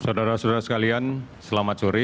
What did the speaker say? saudara saudara sekalian selamat sore